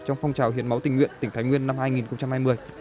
trong phong trào hiến máu tình nguyện tỉnh thái nguyên năm hai nghìn hai mươi